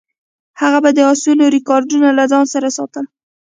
هغه به د اسونو ریکارډونه له ځان سره ساتل.